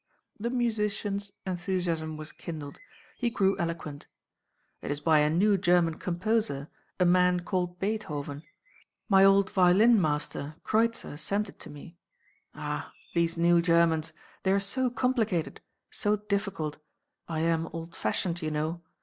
The musician's enthusiasm was kindled; he grew eloquent. "It is by a new German composer: a man called Beethoven. My old violin master, Kreutzer, sent it me.—Ah! These new Germans! They are so complicated; so difficult. I am old fashioned, you know.